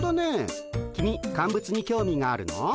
君乾物に興味があるの？